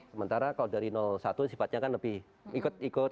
sementara kalau dari satu sifatnya kan lebih ikut ikut